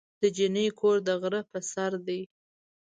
د جینۍ کور د غره په سر دی.